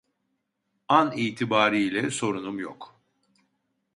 An itibari ile sorunum yok.